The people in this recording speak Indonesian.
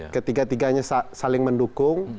ketiga tiganya saling mendukung